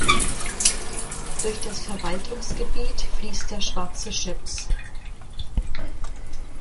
Durch das Verwaltungsgebiet fließt der Schwarze Schöps.